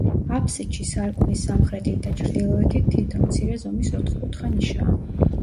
აფსიდში, სარკმლის სამხრეთით და ჩრდილოეთით თითო, მცირე ზომის, ოთკუთხა ნიშაა.